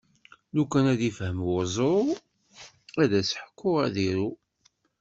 Lukan ad ifhem uẓru, ad as-ḥkuɣ ad iru.